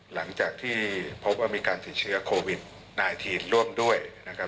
หลังจากที่พบว่ามีการติดเชื้อโควิด๑๙ร่วมด้วยนะครับ